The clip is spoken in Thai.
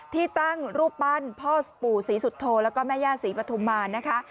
ที่ตั้งรูปปั้นพ่อปู่ศรีสุโธแล้วก็แม่ย่าศรีปฐุมารนะคะ